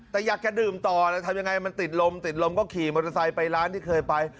แต่อยากจะดื่มต่อแล้วทำยังไงมันติดลมติดลมก็ขี่มอเตอร์ไซค์ไปร้านที่เคยไป